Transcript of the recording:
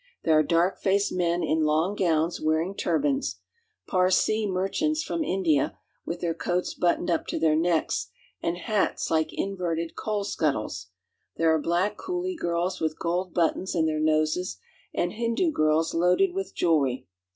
There are dark faced ZANZIBAR 2(53 ! ten in long gowns wearing turbans, Parsee merchants ^m India, with their coats buttoned up to their necks 'and hats like inverted coal scuttles; there are black coolie girls with gold buttons in their noses, and Hindoo girls loaded with jewelry.